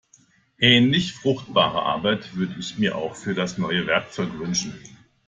Ähnlich fruchtbare Arbeit würde ich mir auch für das neue Werkzeug wünschen.